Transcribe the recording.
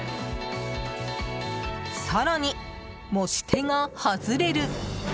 更に、持ち手が外れる！